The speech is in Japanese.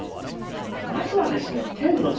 まずは、天の地。